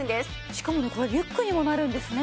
しかもねこれリュックにもなるんですね。